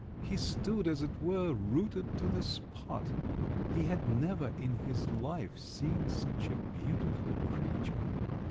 He stood, as it were, rooted to the spot; he had never in his life seen such a beautiful creature.